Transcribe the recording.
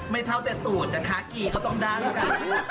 ไม่เท่าแต่ตูดนะคะกี่ก็ต้องได้แล้วกัน